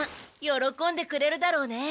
よろこんでくれるだろうね。